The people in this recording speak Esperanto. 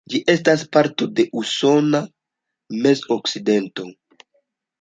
Ĝi estas parto de Usona Mez-Okcidento.